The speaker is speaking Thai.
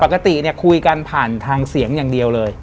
ปกติเนี่ยคุยกันผ่านทางเสียงอย่างเดียวเลย